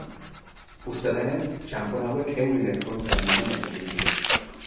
Uste denez txanpon hauek euren ezkontzaren omenez egin ziren.